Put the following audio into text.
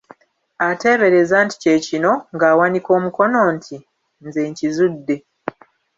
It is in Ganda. Ateebereza nti kye kino, ng'awanika omukono nti; "Nze nkizudde."